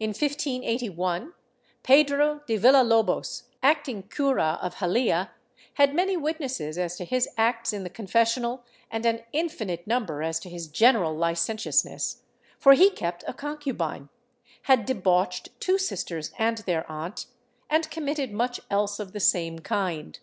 In 1581, Pedro de Villalobos, acting cura of Halia, had many witnesses as to his acts in the confessional and an infinite number as to his general licentiousness, for he kept a concubine, had debauched two sisters and their aunt, and com mitted much else of the same kind.